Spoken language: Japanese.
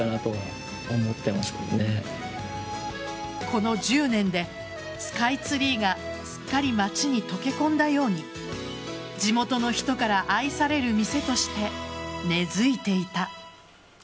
この１０年でスカイツリーがすっかり街に溶け込んだように地元の人から愛される店として根づいていた。